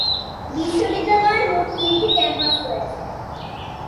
বিশ্ববিদ্যালয়ের মোট তিনটি ক্যাম্পাস রয়েছে।